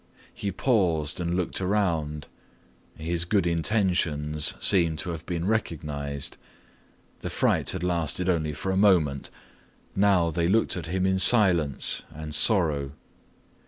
He paused and looked around. His good intentions seem to have been recognized. The fright had lasted only for a moment. Now they looked at him in silence and sorrow.